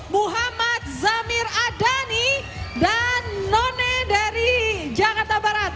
muhammad zamir adani dan none dari jakarta barat